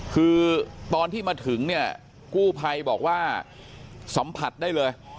คือตอนที่มาถึงเนี่ยกู้ภัยบอกว่าสัมผัสได้เลย